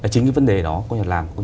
chính cái vấn đề đó làm